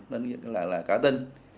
nên nghĩa là là cả tinh